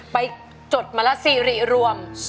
ไปจดมรสิริรวม